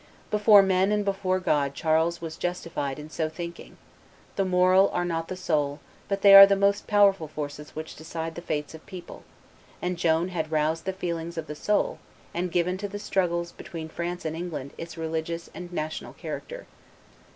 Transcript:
Before men and before God Charles was justified in so thinking; the moral are not the sole, but they are the most powerful forces which decide the fates of people; and Joan had roused the feelings of the soul, and given to the struggles between France and England its religious and national character.